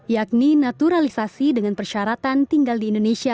yakni naturalisasi dengan persyaratan tinggal di indonesia